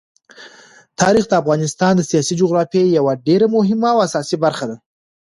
تاریخ د افغانستان د سیاسي جغرافیې یوه ډېره مهمه او اساسي برخه ده.